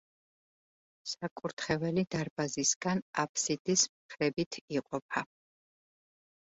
საკურთხეველი დარბაზისგან აბსიდის მხრებით იყოფა.